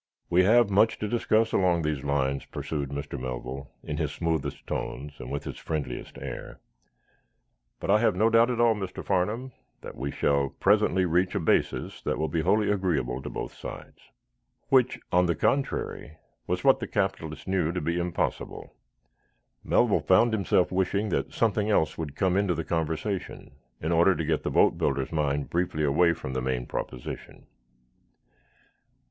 "We have much to discuss, along these lines," pursued Mr. Melville, in his smoothest tones and with his friendliest air. "But I have no doubt at all, Mr. Farnum, that we shall presently reach a basis that will be wholly agreeable to both sides." Which, on the contrary, was what the capitalist knew to be impossible. Melville found himself wishing that something else would come into the conversation, in order to get the boatbuilder's mind briefly away from the main proposition.